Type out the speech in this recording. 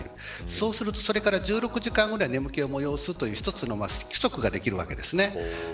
そうするとそれから１６時間後には眠気をもよおすという一つの規則ができるわけです。